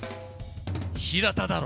「平田だろ！」。